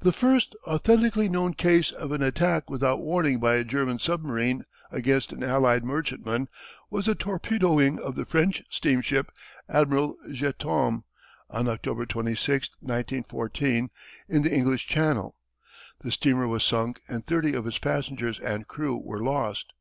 The first authentically known case of an attack without warning by a German submarine against an allied merchantman was the torpedoing of the French steamship Amiral Ganteaume on October 26, 1914, in the English Channel. The steamer was sunk and thirty of its passengers and crew were lost.